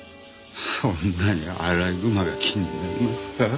そんなにアライグマが気になりますか？